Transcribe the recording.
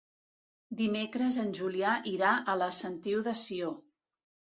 Dimecres en Julià irà a la Sentiu de Sió.